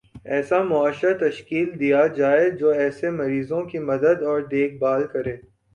ایسا معاشرہ تشکیل دیا جائےجو ایسے مریضوں کی مدد اور دیکھ بھال کرے